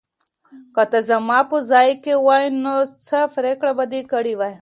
که ته زما په ځای وای، نو څه پرېکړه به دې کړې وه؟